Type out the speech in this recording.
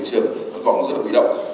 thật có rất là quy động